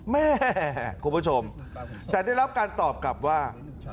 แม่คุณผู้ชมแต่ได้รับการตอบกลับว่า